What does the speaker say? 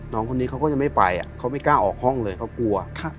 น้องคนนี้เขาก็จะไม่ไปเขาไม่กล้าออกห้องเลยเขากลัว